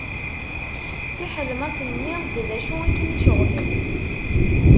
Fiḥel ma tenniḍ-d d acu i kem-iceɣben.